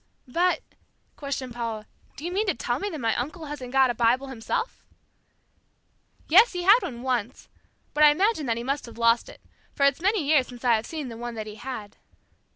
"But," questioned Paula, "do you mean to tell me that my uncle hasn't got a Bible himself?" "Yes, he had one once, but I imagine that he must have lost it, for it's many years since I have seen the one that he had."